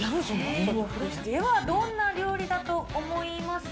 ではどんな料理だと思います